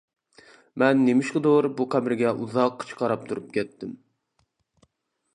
مەن نېمىشقىدۇر بۇ قەبرىگە ئۇزاققىچە قاراپ تۇرۇپ كەتتىم.